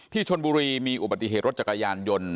ชนบุรีมีอุบัติเหตุรถจักรยานยนต์